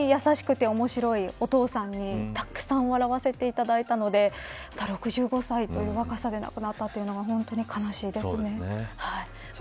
本当に優しくて面白いお父さんにたくさん笑わせていただいたので６５歳という若さで亡くなったというのは本当に悲しいですね。